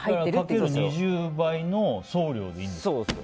かける２０倍の送料でいいんですよ。